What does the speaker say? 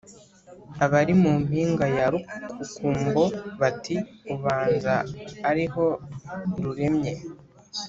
Abari mu mpinga ya Rukukumbo bati: Ubanza ariho ruremye,